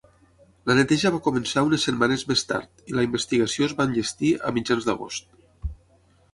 La neteja va començar unes setmanes més tard i la investigació es va enllestir a mitjans d'agost.